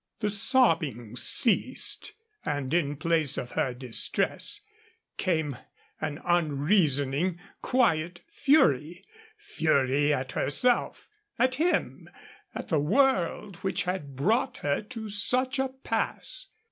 The sobbing ceased, and in place of her distress came an unreasoning, quiet fury fury at herself, at him, at the world which had brought her to such a pass.